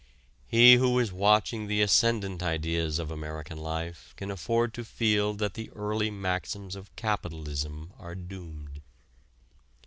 He who is watching the ascendant ideas of American life can afford to feel that the early maxims of capitalism are doomed.